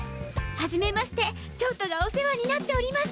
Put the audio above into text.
初めまして焦凍がお世話になっております。